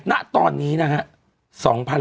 ณตอนนี้นะครับ